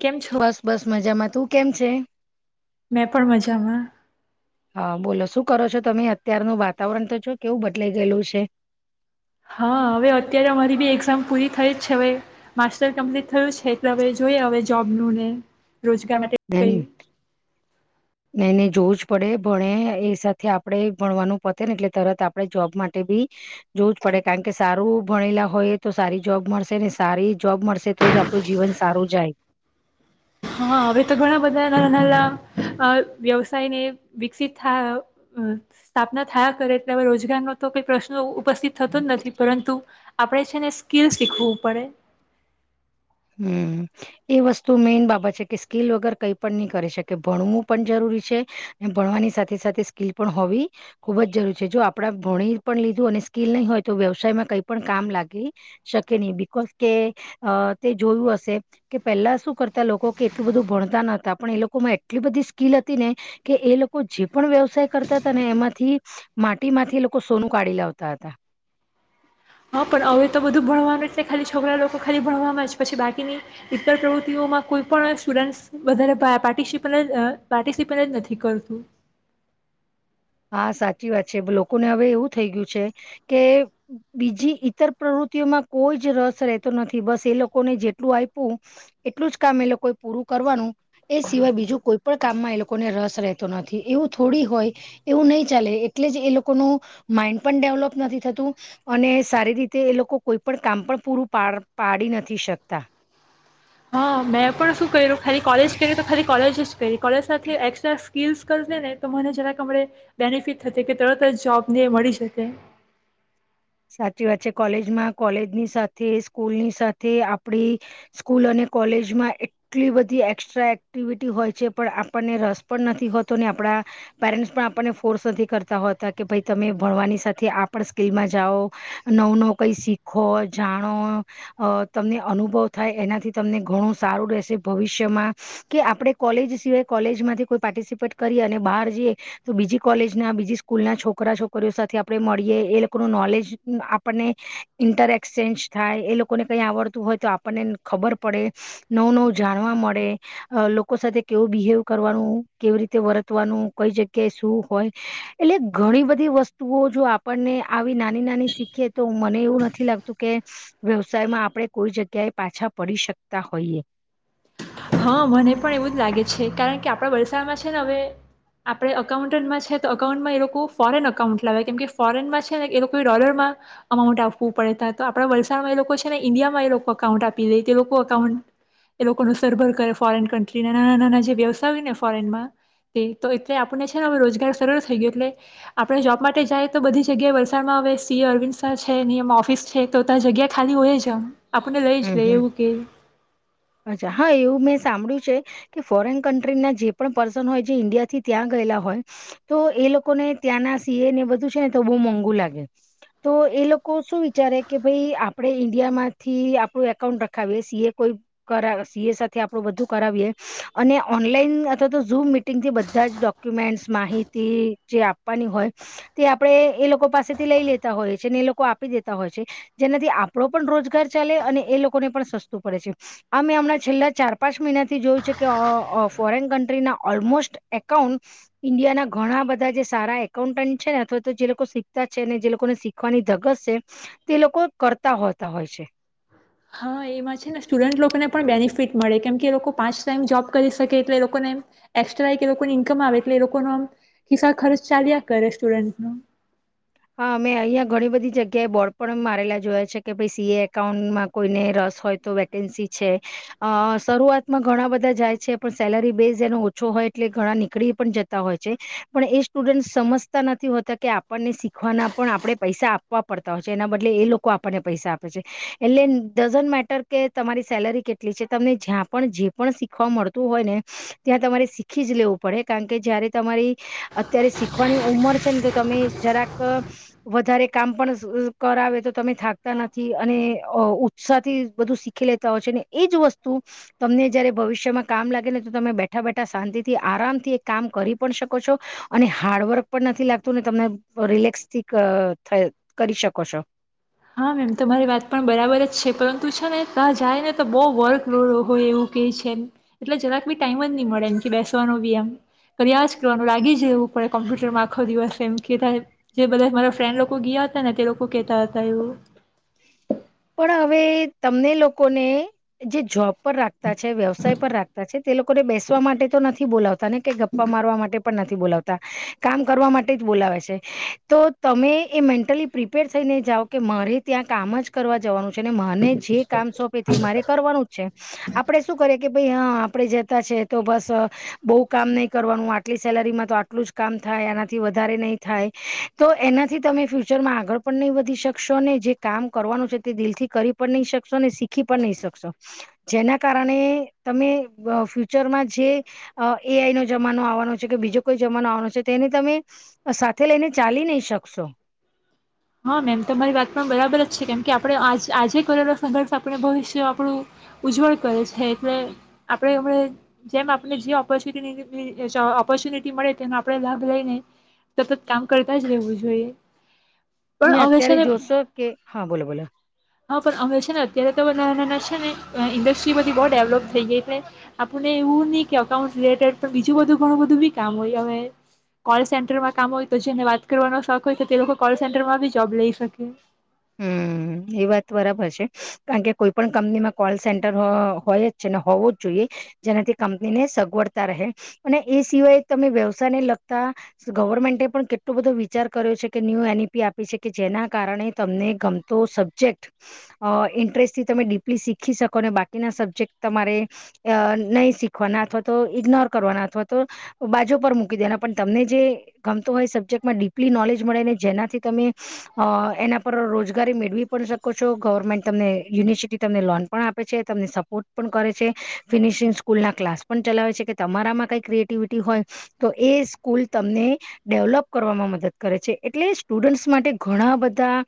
કેમ છો? બસ બસ મજામાં તું કેમ છે? મેં પણ મજામાં. હા બોલો શું કરો છો તમે અત્યારનું વાતાવરણ તો જો કેવું બદલાઈ ગયેલું છે. હા હવે અત્યારે અમારી બી એક્ઝામ પૂરી થઈ જ છે હવે માસ્ટર કમ્પ્લીટ થયું છે એટલે હવે જોઈએ હવે જોબનું ને. રોજગાર માટે કઈ નહી નહી જોવું જ પડે ભણે એ સાથે આપણે ભણવાનું પતે ને એટલે તરત આપણે જોબ માટે બી જોવું જ પડે. કારણ કે સારું ભણેલા હોય તો સારી જોબ મળશે ને સારી જોબ મળશે તો જ આપણું જીવન સારું જાય. હા હવે તો ઘણા બધા ના નાનલા વ્યવસાયને વિકસિત થા અહ સ્થાપના થયા કરે એટલે હવે રોજગારનો તો કઈ પ્રશ્ન ઉપસ્થિત થતો જ નથી પરંતુ આપણે છે ને સ્કીલ શીખવું પડે. હમ્મ એ વસ્તુ મેઈન બાબત છે કે સ્કીલ વગર કઈ પણ નહી કરી શકે. ભણવું પણ જરૂરી છે અને ભણવાની સાથે સાથે સ્કીલ પણ હોવી ખુબ જ જરૂરી છે. જો આપડા ભણી પણ લીધું અને સ્કીલ નહી હોય તો વ્યવસાયમાં કઈ પણ કામ લાગી શકે નહી બિકોઝ કે તે જોયું હશે કે પેલા શું કરતા લોકો કે એટલું બધું ભણતા નતા પણ એ લોકોમાં એટલી બધી સ્કીલ હતી ને કે એ લોકો જે પણ વ્યવસાય કરતા હતા ને એમાંથી માટી માંથી એ લોકો સોનું કાઢી લાવતા હતા. હા પણ હવે તો બધું ભણવાનું જ છે ખાલી છોકરા લોકો ખાલી ભણવામાં જ પછી બાકીની ઈતર પ્રવૃત્તિઓમાં કોઈ પણ સ્ટુડન્ટસ વધારેે પાર્ટીસીપલ હ પાર્ટીસીપલ જ નથી કરતું. હા સાચી વાત છે. લોકોને હવે એવું થઈ ગયું છે કે બીજી ઈતર પ્રવૃત્તિઓમાં કોઈ જ રસ રતો નથી બસ એ લોકોને જેટલું આપવું એટલું જ કામ એ લોકો પૂરું કરવાનું. એ સિવાય બીજું કોઈ પણ કામમાં એ લોકોને રસ રહેતો નથી. એવું થોડી હોય એવું નહી ચાલે એટલે જ એ લોકોનું માઈન્ડ પણ ડેવલોપ નથી થતું અને સારી રીતે એ લોકો કોઈ પણ કામ પણ પૂરું પાડ-પાડી નથી શકતા. હા, મેં પણ શું કર્યું ખાલી કોલેજ કર્યું તો ખાલી કોલેજ પેરી કોલેજ સાથે એક્સફ સ્કિલ્સ કરસે ને તો મને જરાક આપડે બેનિફિટ થશે કે તરત જ જોબ ને મળી શકે. સાચી વાત છે. કોલેજમાં કોલેજની સાથે સ્કૂલની સાથે આપડી સ્કૂલ અને કોલેજમાં એટલી બધી એક્સ્ટ્રા એક્ટિવિટી હોય છે પણ આપણને રસ પણ નથી હોતો ને આપડા પેરેન્ટ્સ પણ આપણને ફોર્સ નથી કરતા હોતા કે ભાઈ તમે ભણવાની સાથે આપ પણ સ્કીલમાં જાઓ નવ નવ કઈ શીખો જાણો અહ તમને અનુભવ થાય એનાથી તમને ઘણું સારું રહેશે ભવિષ્યમાં કે આપણે કોલેજ સિવાય કોલેજમાંથી કોઈ પાર્ટિસિપેટ કરીએ અને બહાર જઈએ તો બીજી કોલેજના બીજી સ્કૂલ ના છોકરા છોકરીઓ સાથે આપણે મળીએ એ કો નોલેજ આપણને ઇન્ટરએક્સચેન્જ થાય એ લોકોને કંઈ આવડતું હોય તો આપણને ખબર પડે નવું નવું જાણવા મળે લોકો સાથે કેવું બિહેવ કરવાનું કેવી રીતે વર્તવાનું કઈ જગ્યાએ શું હોય એટલે ઘણી બધી વસ્તુઓ જો આપણને આવી નાની નાની શીખીએ તો મને એવું નથી લાગતું કે વ્યવસાયમાં આપણે કોઈ જગ્યાએ પાછા પડી શકતા હોઈએ. હા મને પણ એવું જ લાગે છે. કારણ કે આપડા વલસાડમાં છે ને હવે આપડે અકાઉન્ટન્ટમાં છે તો અકાઉન્ટમાં એ લોકો ફોરેન અકાઉન્ટ લાવે કેમ કે ફોરેનમાં છે ને એ લોકોએ ડોલરમાં અમાઉન્ટ આપવું પડે ત તો આપણા વલસાડમાં એ લોકો છે ને ઈન્ડિયામાં એ લોકો અકાઉન્ટ આપી દે એ લોકો અકાઉન્ટ એ લોકોનું સરભર કરે ફોરેન કન્ટ્રી ના નાના નાના જે વ્યવસાય હોય ને ફોરેનમાં તે તો એટલે આપણને છે ને હ રોજગાર સરળ થઈ ગયો એટલે આપણે જોબ માટે જાય તો બધી જગ્યાએ વલસાડમાં હવે સીએ અરવિંદ શાહ છેયમ ઓફિસ છે તો ત્યાં જગ્યા ખાલી હોય જા હમ્મ, હમ્મ. અચ્છા હા એવું મે સાંભળું છે કે ફોરેઇન કન્ટ્રી ના જે પણ પર્સન હોય ઈન્ડિયાથી ત્યાં ગયેલા હોય તો એ લોકોને ત્યાંના સી એ ને બધું છે ને તો બહ મોંઘું લાગે. તો એ લોકો શું વિચારે કે ભાઈ આપણે ઈન્ડિયા માંથી આપ કોઈ એકાઉન્ટ રખાવીએ સી એ કોઈ કરા સી એ સાથે આપણું બધું કરાવીએ અને ઓનલાઈન અથવા તો ઝૂમ મિટિંગથી બધા જ ડોક્યુમેન્ટસ માહિતી જે આપવાની હોય તે આપણે એ લોકો પાસેથી લઈ લેતા હોય છે અનેને એ લોકો આપી દેતા હોય છે જેનાથી આપણો પણ રોજગાર ચાલે અને એ લોકોને પણ સસ્તું પડે છે. આ મેં હમણાં છેલ્લા ચાર પાંચ મહિનાથી જોયું છે કે ઓહ ઓહ ફોરેન કન્ટ્રીના ઓલમોસ્ટ એકાઉન્ટ ઈન્ડિયાના ઘણા બધા જે સારા એકાઉન્ટન્ટ છે ને અથવા તો જે લોકો શીખતા છે ને જે લોકોને શીખવાની ધગશ છે તે લોકો કરતા હોતા હોય છે. હા એમાં છે ને સ્ટુડન્ટ લોકોને પણ બેનિફિટ મળે. કેમ કે એ લોકો પાંચ ટાઈમ જોબ કરી શકે એટલે એ લોકોને એમ એક્સ્ટ્રા કે લોકોને ઈન્કમ આવે એટલે એ લોકોનો આમ હિસા ખર્ચ ચાલ્યા કરે સ્ટુડન્ટનો. હા મે અહીંયા ઘણી બધી જગ્યાએ બોર્ડ પણ મારેલા જોયા છે કે ભાઈ સી એ એકાઉન્ટમાં કોઈને રસ હોય તો વેકેન્સી છે. અહ શરૂઆતમાં ઘણા બધા જાય છે પણ સેલરી બેઝ એનો ઓછો હોય એટલે ઘણા નીકળી પણ જતા હોય છે. પણ એ સ્ટુડન્ટ સમજતા નથી હોતા કે આપણને શીખ ખવાના પણ આપણે પૈસા આપવા પડતા હોય છે. એના બદલે એ લોકો આપણને પૈસા આપે છે. એટલે ડઝન્ટ મેટર કે તમારી સેલેરી કેટલી છે, તમને જ્યાં પણ જે પણ શીખવા મળતું હોય ને ત્યાં તમારે શીખી જ લેવું પડે. કારણ કે જયારે તમારી અત્યારે શીખવાની ઉંમર છે ને તો તમે જરાક ક વધારે કામ પણ સ કરાવે તો તમે થાકતા નથી અને ઉ-ઉત્સાહથી બધું શીખી લેતા હોયો ને એજ વસ્તુ તમને જયારે ભવિષ્યમાં કામ લાગે ને તો તમે બેઠા બેઠા શાંતિ થી આરામથી કામ કરી પણ શકો છો અને હાર્ડવર્ક પણ નથી લાગતું ને તમને રિલેક્સ થી ક થ કરી શકો છો. હા મેમ તો મારી વાત પણ બરાબર જ છે. પરંતુ છે ને ત્યાં જાય ને તો બહુ વર્ક લોડ હોય એવું કહે છે. એટલે જરાક બી ટાઈમ જ નહીં મળે એમ કે બેસવાનો બી એમ કર્યા જ કરવાનું લાગી જવું પડે કોમ્પ્યુટરમાં આખો દિવસ એમ કે ત જે બધા મારા ફ્રેન્ડ લોકો ગયા હતા ને તે લોકો કહેતા હત [unintelligible] પણ હવે તમને લોકોને જે જોબ પર રાખતા છે વ્યવસાય પર રાખતા છે તે લોકોને બેસવા માટે તો નથી. [unintelligible] તને કે ગપ્પા મારવા માટે. પણ નથી બોલાવતા કામ કરવા માટે જ બોલાવે છે તો તમે એ મેન્ટલી પ્રિપેર થઈને જાાવ કે મારે. ત્યાં કામ જ કરવા જવાનું. મને જે કામ સોંપે તે મારે કરવાનું જ છે આપડે શું કરીએ કે ભાઈ હા આપણે જતા છે તો બસ બહુ કામ નહીં કરવાનું આટલી સેલેરીમાં તો આટલું જ કામ થાય આનાથી વધારે નહીં થાય તો એનાથી તમે ફ્યુચરમાં આગળ પણ નહીં વધી શકશો જે. કામ કરવાનું છે તે દિલથી કરી પણ નહી શકશો અને શીખી પણ નહી શકશો જેના કારણે તમે ફ્યુચરમાં જે એઆઈ નો જમાનો આવવાનો છે કે બીજો કોઈ જમાનો આવવાનો છે તેને તમે સાથે લઈને ચાલી નહી શકશો. હા મેમ તમારી વાત પણ બરાબર જ છે કેમ આપણે આજે કરનો સંદર્ભ આપણે ભવિષ્ય આપણું ઉજ્જવળ કરે છે એટલે આપણે એમ જેમ આપણે જે ઓપોર્ચુનિટી ઓપોર્ચ્યુનિટી મળે તેનો આપણે લાભ લઈને સતત કામ કરતા જ રહેવું જોઈએ. પણ તમે હવે અત્યારે છે ને જોશો કે હા બોલો બોલો. હા પણ અમે છે ને અત્યારે તો બધા ના નાના છે ને ઇન્ડસ્ટ્રી બધી બહુ ડેવલોપ થઈ ગઈ એટલે આપણને એવું નહ કે અઉન્ટ રિલેટેડ પણ બીજું બધું ઘણું બધું બી કામ હોય અ કોલ સેન્ટરમાં કામ હોય તો જેને વાત કરવાનો શોખ હોય તો તે લોકો કોલ સેરમાં બી જોબ લઈ શકે. હ એ વાત બરાબર છે કારણ કે કોઈ પણ કંપનીમાં કોલ સેન્ટર હોય જ છે ને હોવો જ જોઈએ જેનાથી કંપનીને સગવડતા રહે અને એ સિવાય તમે વ્યવસાયને લગતા ગવર્મેન્ટે પણ કેટલો બધો વિચાર કર્યો છે કે ન્યૂ એનઇપી આપી છે કે જેના કારણે તમને ગમતો સબ્જેક્ટ ઇન્ટરેસ્ટથી તમે ડીપલી શીખી શકો ને બાકીના સબ્જેક્ટ તમારે નહીં શીખવાના અથવા તો ઇગ્નોર કરવાના અથવા તો બાજુ પર મૂકી દેવાના પણ તમને જે ગમતો હોય એ સબ્જેક્ટમાં ડીપલી નોલેજ મળે ને જેનાથી તમે. [unintelligible] રોજગારી મેળવી પણ શકો છો ગવર્મેન્ટ તમને યુનિવર્સિટી તમને લોન પણ આપે છે તમને સપોર્ટ પણ કરે છે ફિનિશિંગ સ્કૂલના ક્લાસ પણ ચલાવે છે કે તમારામાં કંઈ ક્રિએટિવિટી હોય તો એ સ્કૂલ તમને ડેવલોપ કરવામાં મદદ કરે છે. એટલે સ્ટુડન્ટ્સ માટે ઘણા બધા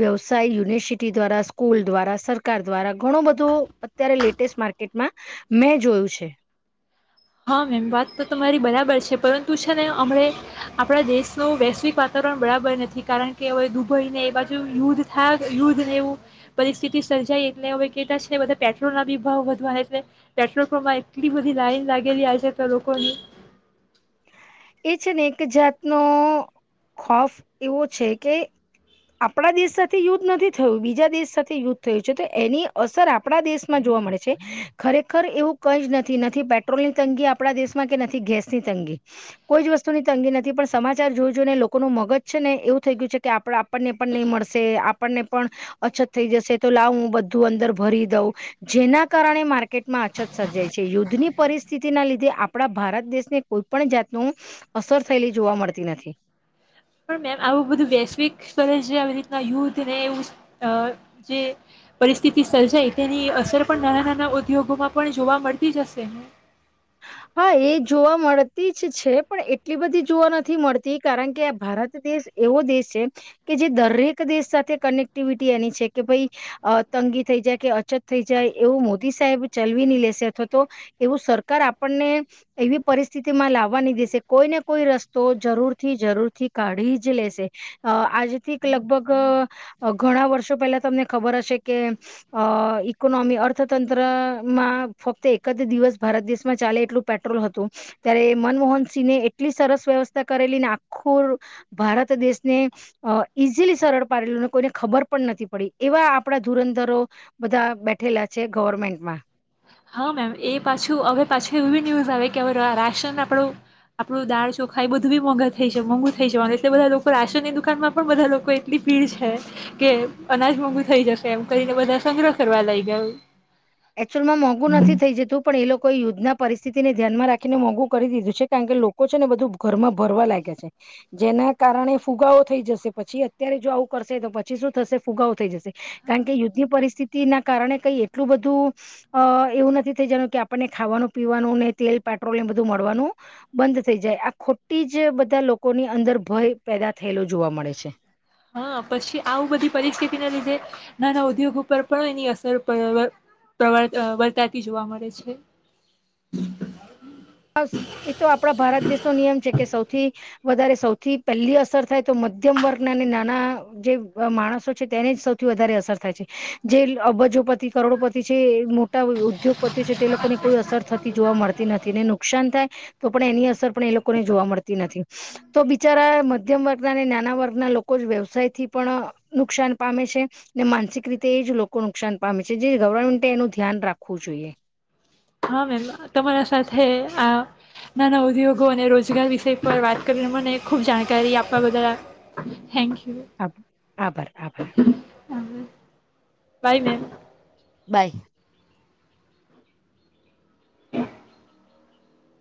વ્યવસાય યુનિવર્સિટી દ્વારા સ્કૂલ દ્વારા સરકાર દ્વારા ઘણો બધો અત્યારે લેટેસ્ટ માર્કેટમાં મેં જોયું છે. હા મેમ વાત તો તમારી બરાબર છે પરંતુ છે ને હમણા આપણા દેશનું વૈશ્વિક વાતાવરણ બરાબર નથી કારણ કે હવે દુબઈને એ બાજુ યુદ્ધ થાય યુદ્ધ ને એવું પરિસ્થિતિ સર્જાય એટલે હવે કેટ છે બધા પેટ્રોલના બી ભાવ વધવા એટલે પેટ્રોલ પ્રપમાં એટલી બધી લાઈન લાગી. ગેલી આય છે તો લોકોની. એ છે ને એક જાતનોો ખોફ એવો છે કે આપણા દેશ સાથે યુદ્ધ નથી થયું બીજા દેશ સાથે યુદ્ધ થયું છે તો એની અસર આપણા દેશમાં જોવા મળે છે ખરેખર એવું કઈ જ નથી નથી પેટ્રોલ ની તંગી આપણા દેશમાં કે નથી ગેસની તંગી. કોઈ જ વસ્તુની તંગી નથી પણ સમાચાર જોજઈ ને લોકોનું મગજ છે ને એવું થઈ ગયું છે કે આપ આપણને પણ નહીં મળશે આપણને પણ અછત થઈ જશે તો લાવ હું બધું અંદર ભરી દઉં જેના કારણે માર્કેટમાં અછત સર્જાય છે યુદ્ધની પરિસ્થિતિના લીધે આપણા ભારત દેશને કોઈ પણણ જાત નું અસર થયેલી જોવા મળતી નથી. પણ મેમ આવું બધું વૈશ્વિક સ્તરે આવી રીતના યુદ્ધ ને એ જે પરિસ્થિતિ સર્જાય તેની અસર પણ નાના નાના ઉદ્યોગોમાં પણ જોવા મળતી જશે. હા એ જોવા મળતી જ છે પણ એટલી બધી જોવા નથી મળતી કારણ કે આ ભારત દેશ એવો દેશ છે કે જે દરેક દેશ સાથે કનેક્ટિવિટી એની છે કે ભાઈ તંગી થઈ જાય કે અછત થઈ જાય એવું મોદી સાહેબ ચલવી લેશે અથવા તો એવું સરકાર આપ આપણને એવી પરિસ્થિતિ માં લાવવાની દેશે કોઈને કોઈ રસ્તો જરૂર થી જરૂર થી કાઢી. લે આજથી લગભગ ઘણા વર્ષો પહેલા તમને ખબર હશે કે ઈકોનોમી અર્થતંત્રમાં ફક્ત એક જ દિવસ ભારત દેશ. માં ચાલે એટલું પેટ્રોલ હતું ત્યારે મનમોહન સિંહને એટલી સરસ વ્યવસ્થા કરેલી ને આખું ભારત દેશને ઈઝીલી સરળ પાડેલું કોઈને ખબર પણ નથી પડી એવા આપણા ધુરંધરો બધા બેઠેલા છે ગવર્મેન્ટમાં. હા મેમ એ પાછું હવે પાછું એવી ન્યુઝ આવે કે હવે રાશન આપણું આપણું દાળ ચોખા બધું બી મોઘા થઈ જ મોંઘું થઈ જવાનું એટલે બધા લોકો રાશનની દુકાનમાં પણ બધા લોકો એટલી ભીડ છે કે અનાજ મોંઘુ થઈ જશે એમ કરીને બધા સંગ્રહ કરવા લાગ ગયા. [unintelligible] નથી થઈ જતું પણ એ લોકો યુદ્ધના. પરિસ્થિતિને ધ્યાનમાં રાખીને મોંઘું કરી દીધું છે કારણ કે લોકો છે ને બધું ઘરમાં ભરવા લાગે છે જેના કારણે ફુગાવો થઈ જશે પછી અત્યારે જો આવું કરશે તો પછી શું થશે ફુગાવો થઈ જશે કારણ કે યુદ્ધની પરિસ્થિતિ ના કારણે કઈ એટલું બધું. બધું અ એવું નથી થઈ જનું કે આપણને ખાવાનું પીવાનું ને તેલ પેટ્રોલ એ બધું મળવાનું બંધ થઈ જાય આ ખોટી જ બધા લોકોની અંદર ભય પેદા થયેલો જોવા મળે છે. હા પછી આવું બધી પરિસ્થિતિના લીધે નાના ઉદ્યોગ ઉપર પણ એની અસર વર્તાતી જોવા મળે છે. એ તો આપણા ભારત દેશ નો નિયમ છે કે સૌથી થી વધારે સૌથી પહેલી અસર થાય તો મધ્યમ વર્ગના અને નાના જે માણસો છે તેને જ સૌથી વધારે અસર થાય છે જે અબજોપતિ કરોડોપતિ છે મોટા ઉદ્યોગપતિઓ છે તે લોકોને કોઈ અસર થતી જોવા મળતી નથી ને. નુકસાન થાય તો પણ એની અસર પણ એ લોકોને જોવા મળતી નથી તો બિચારા મધ્યમ વર્ગના અને નાના વર્ગના લોકો જ વ્યવસાય થી પણ નુકસાન પામે છે ને માનસિક રીતે એ જ લોકો નુકસાન પામે છે જે ગવર્મેન્ટે એનું ધ્યાન રાખવું જોઈએ. હા મેમ તમારા સાથે આ નાના ઉદ્યોગો અને રોજગાર વિષય પર વાત કરીને મને ખુબ જાણકારી આપવા બદલ થેન્કયુ. આભર આભર આબર. પાઈને. બાય.